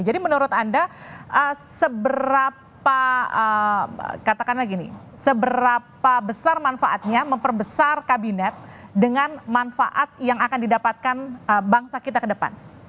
jadi menurut anda seberapa katakanlah gini seberapa besar manfaatnya memperbesar kabinet dengan manfaat yang akan didapatkan bangsa kita ke depan